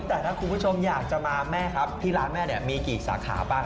แต่ถ้าคุณผู้ชมอยากจะมาแม่ครับที่ร้านแม่เนี่ยมีกี่สาขาบ้าง